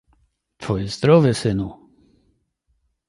"Twoje zdrowie, synu!"